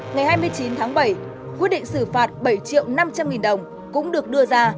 ngày hai mươi chín tháng bảy quyết định xử phạt bảy triệu năm trăm linh nghìn đồng cũng được đưa ra